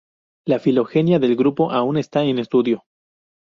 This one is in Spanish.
La filogenia del grupo aún está en estudio.